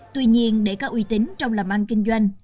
tuy nhiên để có uy tín trong làm ăn kinh doanh